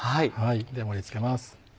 では盛り付けます。